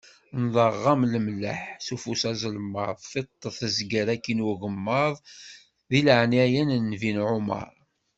Nnḍeɣ-am lemlaḥ, s ufus aẓelmaḍ, tiṭ tezger akkin agemmaḍ, deg laɛnaya n nnbi Ɛumar.